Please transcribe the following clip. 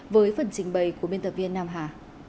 với phần trình bày của biên tập viên nam hà